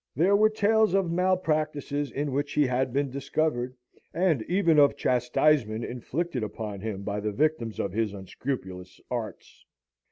There were tales of malpractices in which he had been discovered, and even of chastisement inflicted upon him by the victims of his unscrupulous arts.